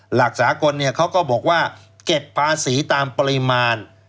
หลักสากลเนี่ยเขาก็บอกว่าเก็บภาษีตามปริมาณ